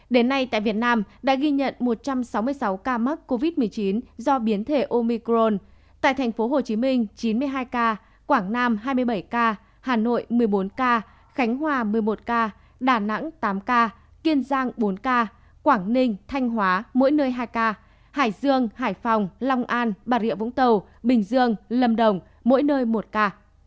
đến nay tại việt nam đã ghi nhận một trăm sáu mươi sáu ca mắc covid một mươi chín do biến thể omicron tại thành phố hồ chí minh chín mươi hai ca quảng nam hai mươi bảy ca hà nội một mươi bốn ca khánh hòa một mươi một ca đà nẵng tám ca kiên giang bốn ca quảng ninh thanh hóa mỗi nơi hai ca hải dương hải phòng long an bà rịa vũng tàu bình dương lâm đồng mỗi nơi một ca